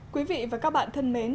quý vị và các bạn thân mến